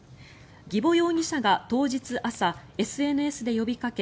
儀保容疑者が当日朝ＳＮＳで呼びかけ